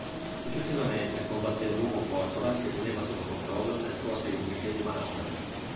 Successivamente, combatte l'Uomo Porpora che teneva sotto controllo le scorte idriche di Manhattan.